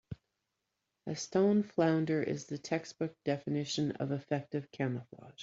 A stone flounder is the textbook definition of effective camouflage.